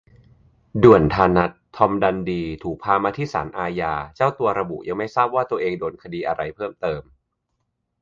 ด่วนธานัท "ทอมดันดี" ถูกพามาที่ศาลอาญา เจ้าตัวระบุยังไม่ทราบว่าตัวเองโดนคดีอะไรเพิ่มเติม